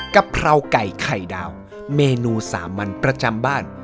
กะเพราไก่ไข่ดาวเมนูสามัญประจำบ้าน